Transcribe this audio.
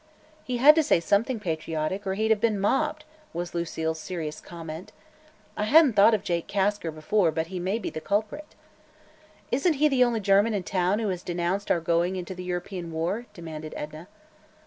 "He had to say something patriotic, or he'd have been mobbed," was Lucile's serious comment. "I hadn't thought of Jake Kasker, before, but he may be the culprit." "Isn't he the only German in town who has denounced our going into the European war?" demanded Edna.